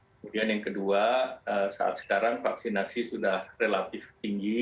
kemudian yang kedua saat sekarang vaksinasi sudah relatif tinggi